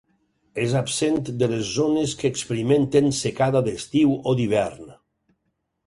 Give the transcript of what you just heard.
És absent de les zones que experimenten secada d'estiu o d'hivern.